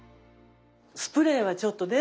スプレーはちょっとね